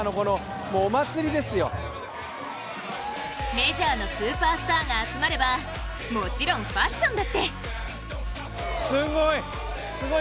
メジャーのスーパースターが集まればもちろんファッションだって。